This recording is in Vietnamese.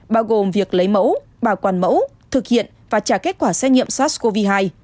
bao gồm việc lấy mẫu bảo quản mẫu thực hiện và trả kết quả xét nghiệm sars cov hai